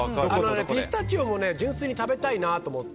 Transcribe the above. ピスタチオも純粋に食べたいなと思って。